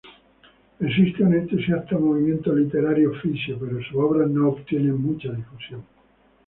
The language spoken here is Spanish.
Existe un entusiasta movimiento literario frisio, pero sus obras no obtienen mucha difusión.